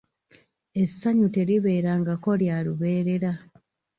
Essanyu teribeerangako lya lubeerera.